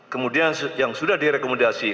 kemudian yang sudah direkomendasi